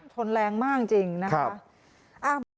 ทนแรงมากจริงนะฮะอ่าบรรทุกนะครับ